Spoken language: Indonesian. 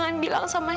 itu adalah swan news